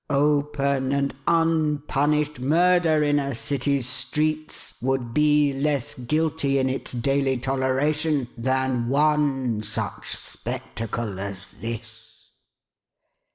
Open and unpunished murder in a city's streets would be less guilty in its daily toleration, than one such spectacle as this."